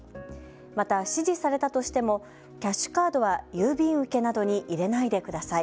また、指示されたとしてもキャッシュカードは郵便受けなどに入れないでください。